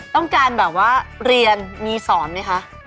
ต้องการแบบว่าเรียนมีสอนไหมคะ